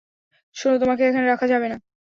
শোনো, তোমাকে এখানে রাখা যাবে না।